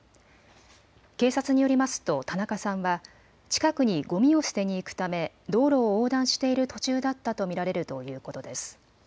警察によりますと田中さんは近くにごみを捨てに行くため道路を横断している途中だったと見られるということです。